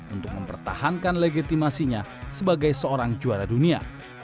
untuk mempertahankan legitimasinya sebagai seorang juara dunia